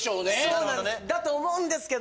そうなんだと思うんですけど。